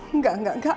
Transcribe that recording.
enggak enggak enggak